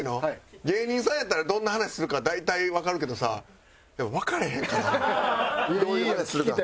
芸人さんやったらどんな話するか大体わかるけどさわからへんからどういう話するか。